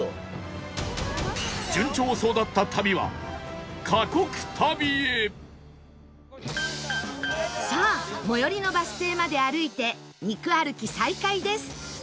順調そうだった旅はさあ最寄りのバス停まで歩いて肉歩き再開です